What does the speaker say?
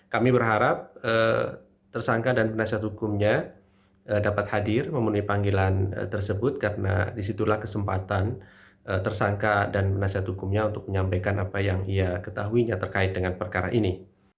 kami berharap tersangka dan penasihat hukumnya dapat hadir memenuhi panggilan tersebut karena disitulah kesempatan tersangka dan penasihat hukumnya untuk menyampaikan apa yang ia ketahuinya terkait dengan perkara ini